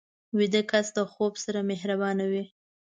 ویده کس د خوب سره مهربان وي